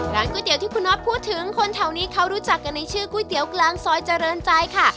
ก๋วยเตี๋ยที่คุณน็อตพูดถึงคนแถวนี้เขารู้จักกันในชื่อก๋วยเตี๋ยวกลางซอยเจริญใจค่ะ